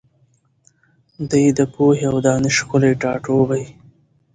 دی د پوهي او دانش ښکلی ټاټوبی